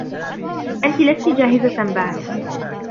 أنتِ لستِ جاهزةً بعد.